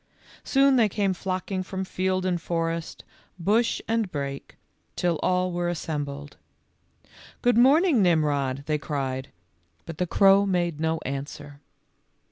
Soon they came flocking from field and forest, bush and brake, till all were assembled. " Good morning, Nimrod," they cried, but the crow made no answer.